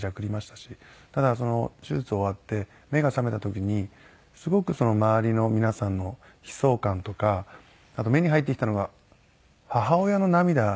ただ手術終わって目が覚めた時にすごく周りの皆さんの悲壮感とかあと目に入ってきたのが母親の涙だったんですよね。